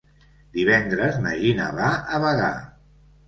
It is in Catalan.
Divendres na Gina va a Bagà.